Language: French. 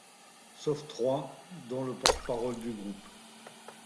Sauf trois dont le porte-parole du groupe